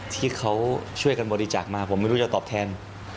ที่เขาช่วยกันบริจาคมาผมไม่รู้จะตอบแทน